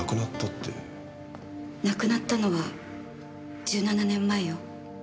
亡くなったのは１７年前よ。